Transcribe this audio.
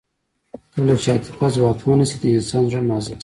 کله چې عاطفه ځواکمنه شي د انسان زړه نازک شي